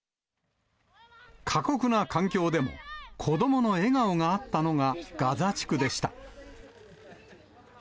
過酷な環境でも、子どもの笑顔があったのがガザ地区でした。